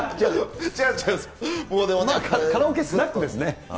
もう、でも、カラオケスナックですね。